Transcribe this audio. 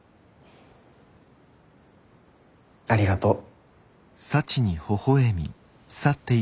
ありがとう。